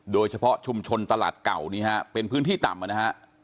โดยเฉพาะชุมชนตลาดเก่านี่ฮะเป็นพื้นที่ต่ำนะฮะ